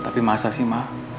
tapi masa sih ma